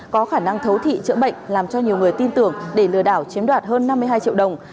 có khả năng thấu thị chữa bệnh làm cho nhiều người tin tưởng để lừa đảo chiếm đoạt hơn năm mươi hai triệu đồng